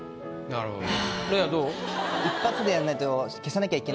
なるほどね。